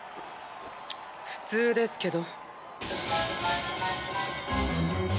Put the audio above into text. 普通ですけど。